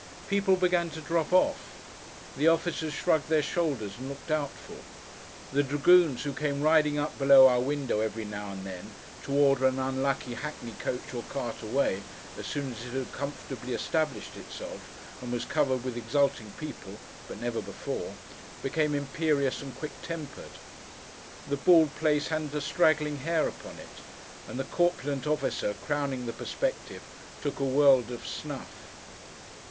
People began to drop off. The officers shrugged their shoulders and looked doubtful. The dragoons, who came riding up below our window, every now and then, to order an unlucky hackney coach or cart away, as soon as it had comfortably established itself, and was covered with exulting people (but never before), became imperious, and quick tempered. The bald place hadn't a straggling hair upon it; and the corpulent officer, crowning the perspective, took a world of snuff.